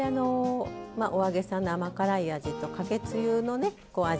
お揚げさんの甘辛い味とかけつゆの味。